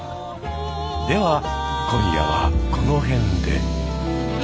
では今夜はこの辺で。